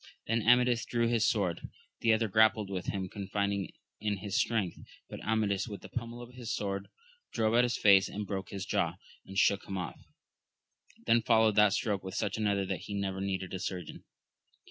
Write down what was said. Then Amadis drew his sword ; the other grappled with him, confiding in his strength, but Amadis with the pummel of his sword drove at his face and broke his jaw, and shook him off; then followed that stroke with such another, that he never needed a surgeon.